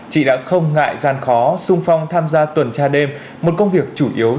chị đã không ngại gian khó sung phong tham gia tuần tra đêm một công việc chủ yếu dành cho nam giới